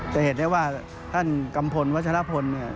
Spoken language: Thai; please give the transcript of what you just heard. จะเห็นได้ว่าท่านกำพลวชนพล